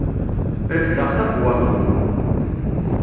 Refdeɣ tabewwaḍt-nni.